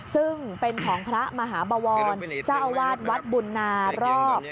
ซึ่งเป็นของพระมหาบวรเจ้าอาวาสวัดบุญนารอบ